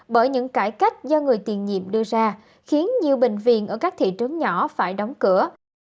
bởi những cải cách do người tiền nhiệm đưa ra khiến nhiều bệnh viện ở các thị trường nhỏ phải đóng cửa